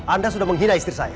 anda sudah menghina istri saya